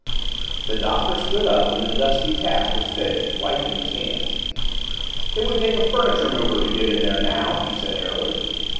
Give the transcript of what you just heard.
The Doctor stood up when the dusty task was finished, wiping his hands. "It would take a furniture mover to get in there now!" he said airily.